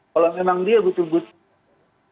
kalau memang dia betul betul